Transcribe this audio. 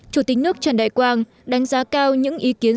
chủ tịch nước trần đại quang đánh giá cao những ý kiến